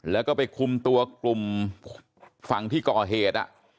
แล้วก็ไปคุมตัวกลุ่มฝั่งที่ก่อเหตุ